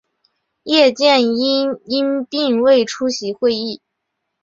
叶剑英因病未出席会议。